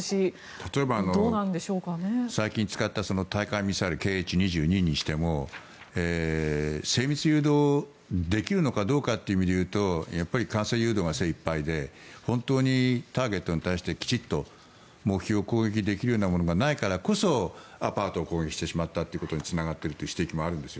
例えば最近使った対艦ミサイル、Ｋｈ２２にしても精密誘導できるのかどうかという意味で言うと慣性誘導が精いっぱいで本当にターゲットに対してきちんと目標を攻撃できるようなものがないからこそアパートを攻撃してしまったということにつながってしまったという指摘もあるんです。